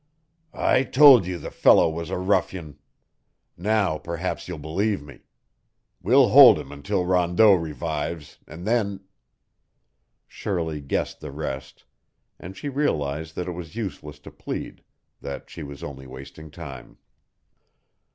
"I told you the fellow was a ruffian. Now, perhaps, you'll believe me. We'll hold him until Rondeau revives, and then " Shirley guessed the rest, and she realized that it was useless to plead that she was only wasting time.